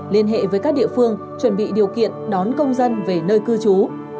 liên hệ với các địa phương chuẩn bị điều kiện đón công dân về nơi cư trú